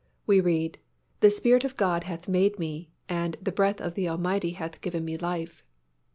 We read, "The Spirit of God hath made me, and the breath of the Almighty hath given me life."